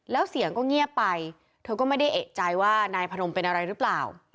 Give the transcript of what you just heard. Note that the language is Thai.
แล้วเสียงก็เงียบไปเธอก็ไม่ได้เอกใจว่านายพนมเป็นอะไรหรือเปล่า